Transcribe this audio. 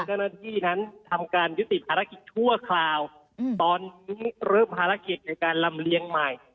เจ้าหน้าที่นั้นทำการยุติภารกิจชั่วคราวตอนนี้เริ่มภารกิจในการลำเลียงใหม่